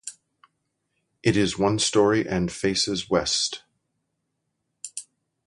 It is one story and faces west.